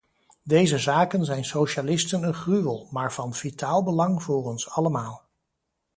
Deze zaken zijn socialisten een gruwel, maar van vitaal belang voor ons allemaal.